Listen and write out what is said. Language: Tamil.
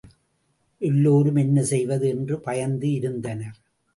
எல்லோரும் என்ன செய்வது என்று பயந்து இருந்தனர்.